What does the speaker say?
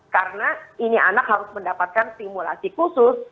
karena ini anak harus mendapatkan simulasi khusus